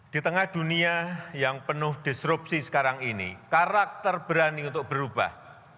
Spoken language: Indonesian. di tengah dunia yang penuh disrupsi sekarang ini karakter berani untuk berubah